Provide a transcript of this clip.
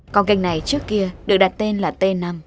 con kênh này trước kia được đặt tên là t năm